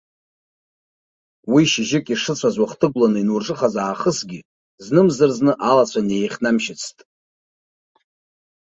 Уи шьыжьык ишыцәаз уахҭыгәланы ианурҿыхаз аахысгьы знымзар-зны алацәа неихьнамшьыцт.